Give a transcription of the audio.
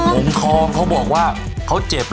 หงฑองเค้าบอกว่าเค้าเจ็บหรอ